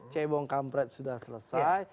cembong kampret sudah selesai